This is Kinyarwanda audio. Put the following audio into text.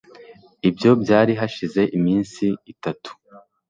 ibyo byari hashize iminsi itatu